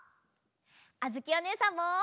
あづきおねえさんも！